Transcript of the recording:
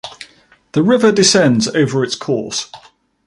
The river descends over its course.